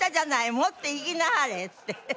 「持っていきなはれ」って。